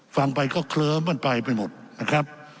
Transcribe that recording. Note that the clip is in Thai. ฟังไปก็เคลิ้มมันไปไปหมดนะครับ